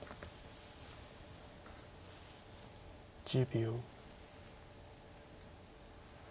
１０秒。